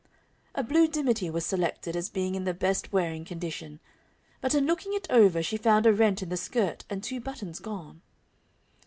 A blue dimity was selected as being in the best wearing condition, but in looking it over she found a rent in the skirt and two buttons gone.